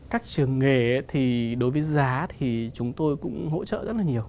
các trường nghề thì đối với giá thì chúng tôi cũng hỗ trợ rất là nhiều